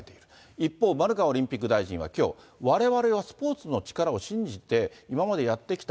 一方、丸川オリンピック大臣はきょう、われわれはスポーツの力を信じて、今までやってきた。